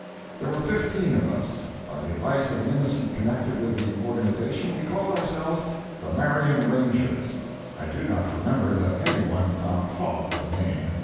There were fifteen of us. By the advice of an innocent connected with the organisation, we called ourselves the Marion Rangers. I do not remember that any one found fault with the name.